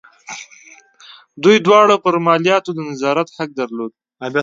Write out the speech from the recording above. دوی دواړو پر مالیاتو د نظارت حق درلود.